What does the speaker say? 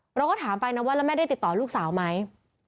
เราก็ถามไปนะว่าแล้วแม่ได้ติดต่อลูกสาวไหม